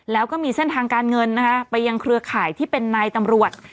แล้วก็มีเส้นทางการเงินนะคะไปยังเครือข่ายที่เป็นนายตำรวจ